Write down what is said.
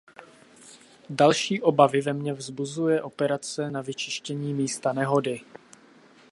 Další obavy ve mně vzbuzuje operace na vyčištění místa nehody.